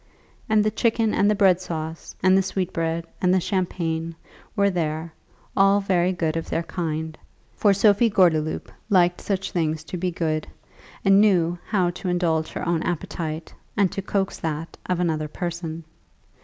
And the chicken, and the bread sauce, and the sweetbread, and the champagne were there, all very good of their kind; for Sophie Gordeloup liked such things to be good, and knew how to indulge her own appetite, and to coax that of another person.